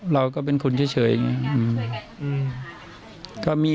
เราก็เป็นคนเฉยอย่างนี้